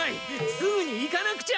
すぐに行かなくちゃ！